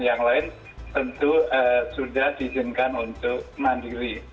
yang lain tentu sudah diizinkan untuk mandiri